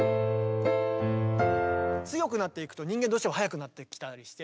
強くなっていくと人間どうしても速くなってきたりして。